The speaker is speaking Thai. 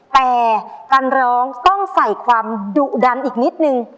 แต่การร้องต้องใส่ความดุดันอีกนิดนึง